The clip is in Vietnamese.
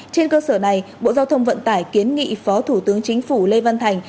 trên cơ sở này bộ giao thông vận tải kiến nghị phó thủ tướng chính phủ lê văn thành